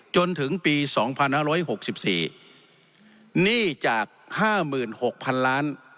จนถึงปีสองพันห้าร้อยหกสิบสี่หนี้จากห้ามื่นหกพันล้าน